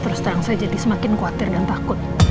terus terang saya jadi semakin khawatir dan takut